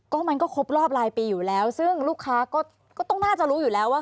ก็มันก็ครบรอบรายปีอยู่แล้วซึ่งลูกค้าก็ต้องน่าจะรู้อยู่แล้วว่า